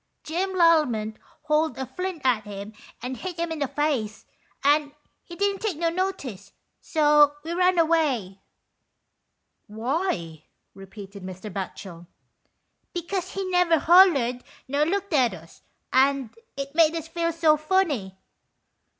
Jim Lallement hauled a flint at him and hit him in the face, and he didn't take no notice, so we run away." " Why ?" repeated Mr. Batchel. " Because he never hollered nor looked at us, and it made us feel so funny."